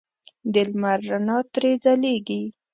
د لمر رڼا ترې ځلېږي.